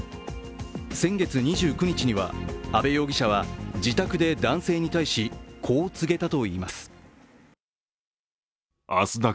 先月２９日には阿部容疑者は自宅で男性に対しこう告げたといいます。